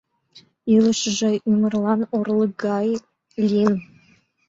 Илышыже ӱмырлан орлык гай лийын.